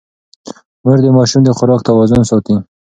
مور د ماشوم د خوراک توازن ساتي.